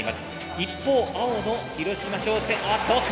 一方青の広島商船